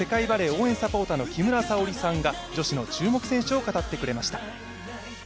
応援サポーターの木村沙織さんが女子の注目選手を語ってくれました。